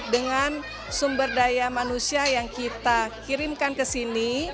dengan sumber daya manusia yang kita kirimkan kesini